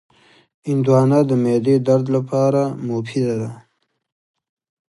هندوانه د معدې درد لپاره مفیده ده.